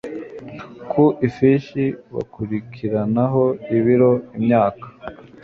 ku ifishi bakurikiraniraho ibiro imyaka